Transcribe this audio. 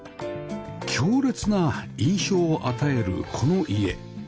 強烈な印象を与えるこの家